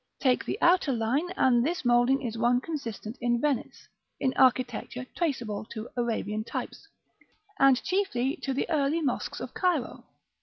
Take the outer line, and this moulding is one constant in Venice, in architecture traceable to Arabian types, and chiefly to the early mosques of Cairo.